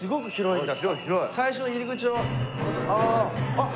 あっ。